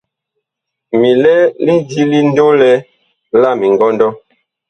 Mi lɛ lidi ndolɛ la mingɔndɔ.